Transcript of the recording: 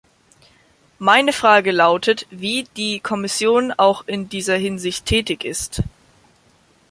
Meine Frage lautet, wie die Kommission auch in dieser Hinsicht tätig ist?